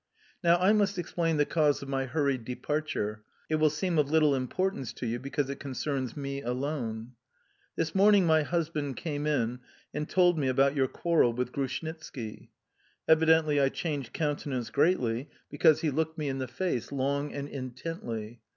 "Now I must explain the cause of my hurried departure; it will seem of little importance to you, because it concerns me alone. "This morning my husband came in and told me about your quarrel with Grushnitski. Evidently I changed countenance greatly, because he looked me in the face long and intently.